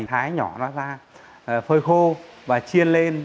thái nhỏ nó ra phơi khô và chiên lên